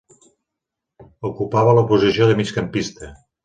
Ocupava la posició de migcampista.